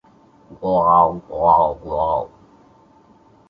Esta función se calcula para todos los estados e instantes de tiempo.